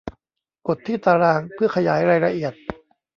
กดที่ตารางเพื่อขยายรายละเอียด